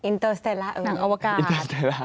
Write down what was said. อินเตอร์สเตลล่าหนังอวกาศ